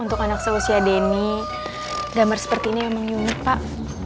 untuk anak seusia deni gambar seperti ini memang unik pak